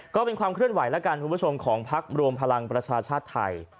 ก็เป็นความเคลื่อนไหวแล้วกันคุณผู้ชมของพักรวมพลังประชาชาติไทย